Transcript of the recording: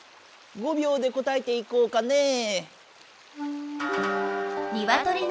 ５びょうで答えていこうかねぇ。